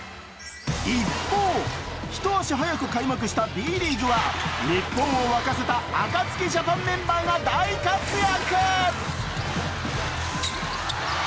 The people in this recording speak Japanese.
一方、一足早く開幕したＢリーグは日本を沸かせたＡＫＡＴＳＵＫＩＪＡＰＡＮメンバーが大活躍！